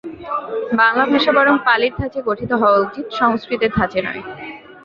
বাঙলা ভাষা বরং পালির ধাঁচে গঠিত হওয়া উচিত, সংস্কৃতের ধাঁচে নয়।